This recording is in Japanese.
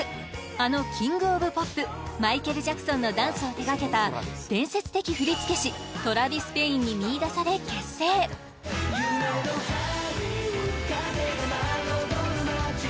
あのキング・オブ・ポップマイケル・ジャクソンのダンスを手がけた伝説的振付師トラヴィス・ペインに見いだされ結成夢のＨｏｌｌｙｗｏｏｄ風が舞い踊る街